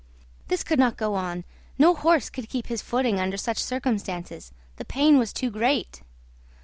This could not go on; no horse could keep his footing under such circumstances; the pain was too great.